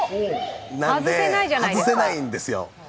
なので、外せないんですよ。